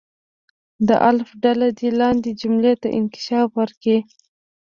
د الف ډله دې لاندې جملې ته انکشاف ورکړي.